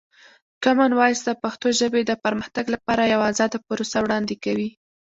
کامن وایس د پښتو ژبې د پرمختګ لپاره یوه ازاده پروسه وړاندې کوي.